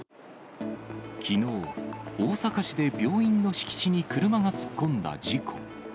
きのう、大阪市で病院の敷地に車が突っ込んだ事故。